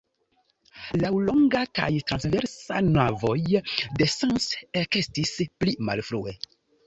Laŭlonga kaj transversa navoj de Sens ekestis pli malfrue.